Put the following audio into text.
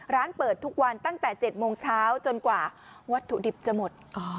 ร้านเปิดทุกวันตั้งแต่๗โมงเช้าจนกว่าวัตถุดิบจะหมด